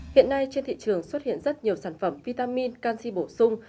hiện nay trên thị trường xuất hiện rất nhiều sản phẩm vitamin canxi bổ sung